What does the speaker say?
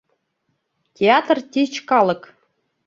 Театр тич калык.